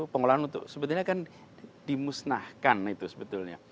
pengolahan untuk sebetulnya kan dimusnahkan itu sebetulnya